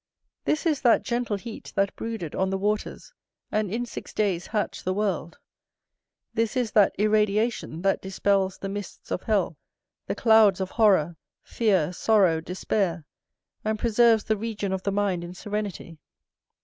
This is that gentle heat that brooded on the waters, and in six days hatched the world; this is that irradiation that dispels the mists of hell, the clouds of horror, fear, sorrow, despair; and preserves the region of the mind in serenity.